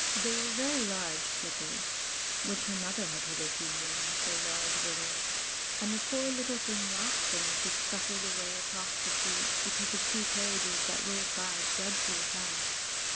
They were very large slippers, which her mother had hitherto worn; so large were they; and the poor little thing lost them as she scuffled away across the street, because of two carriages that rolled by dreadfully fast.